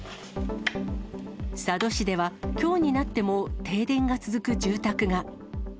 佐渡市では、きょうになっても停電が続く住宅が。